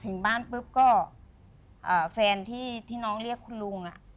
ถึงบ้านปุ๊บก็แฟนที่น้องเรียกคุณลุง